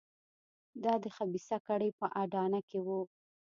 دا د خبیثه کړۍ په اډانه کې وو.